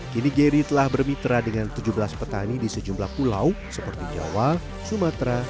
kini geri telah bermitra dengan tujuh belas petani di sejumlah pulau seperti jawa sumatera